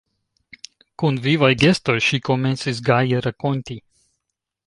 Kun vivaj gestoj ŝi komencis gaje rakonti: